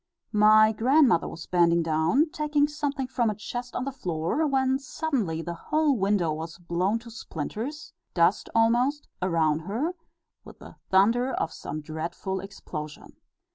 My grandmother was bending down, taking something from a chest on the floor, when suddenly the whole window was blown to splinters dust almost around her, with the thunder of some dreadful explosion.